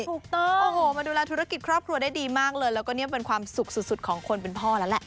ถูกต้องโอ้โหมาดูแลธุรกิจครอบครัวได้ดีมากเลยแล้วก็เนี่ยเป็นความสุขสุดของคนเป็นพ่อแล้วแหละ